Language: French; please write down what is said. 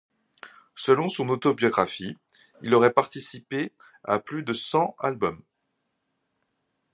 Selon son autobiographie il aurait participé à plus de cent albums.